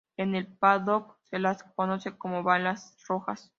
En el "paddock" se las conoce como las "balas rojas".